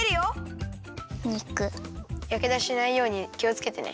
やけどしないようにきをつけてね。